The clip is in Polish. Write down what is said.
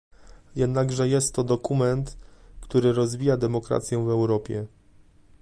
Jednakże jest to dokument, który rozwija demokrację w Europie